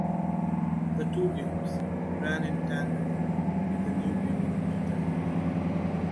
The two games ran in tandem, with the new game in beta.